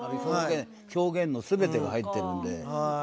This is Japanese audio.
表現の全てが入ってるんで。